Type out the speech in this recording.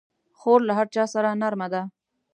خور له هر چا سره نرمه ده.